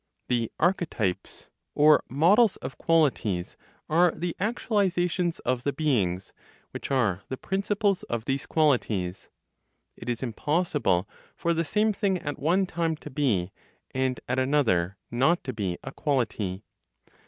The archetypes (or models) of qualities are the actualizations of the beings, which are the principles of these qualities. It is impossible for the same thing at one time to be, and at another not to be a quality.